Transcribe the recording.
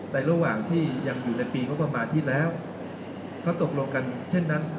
ระหว่างที่ยังอยู่ในปีงบประมาณที่แล้วเขาตกลงกันเช่นนั้น